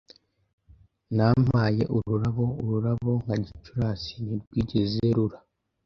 Nampaye ururabo, Ururabo nka Gicurasi ntirwigeze rura